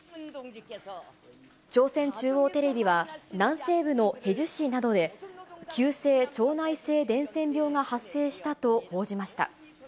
朝鮮中央テレビは、南西部のヘジュ市などで、急性腸内性伝染病が発生したと報じました。